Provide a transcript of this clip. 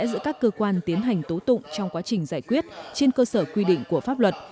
giữa các cơ quan tiến hành tố tụng trong quá trình giải quyết trên cơ sở quy định của pháp luật